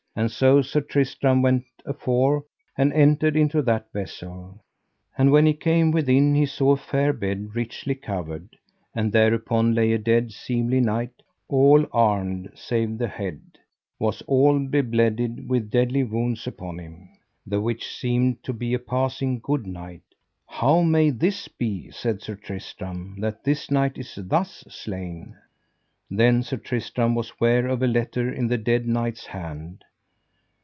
And so Sir Tristram went afore and entered into that vessel. And when he came within he saw a fair bed richly covered, and thereupon lay a dead seemly knight, all armed save the head, was all be bled with deadly wounds upon him, the which seemed to be a passing good knight. How may this be, said Sir Tristram, that this knight is thus slain? Then Sir Tristram was ware of a letter in the dead knight's hand.